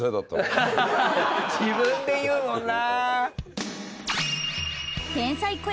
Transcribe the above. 自分で言うもんな。